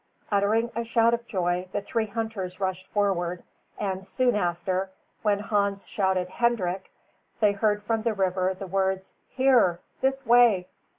Uttering a shout of joy, the three hunters rushed forward, and soon after, when Hans shouted "Hendrik," they heard from the river the words, "Here, this way."